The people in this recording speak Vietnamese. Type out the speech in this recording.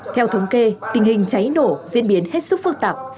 theo thống kê tình hình cháy nổ diễn biến hết sức phức tạp